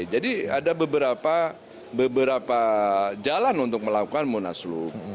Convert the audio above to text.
jadi ada beberapa jalan untuk melakukan munaslup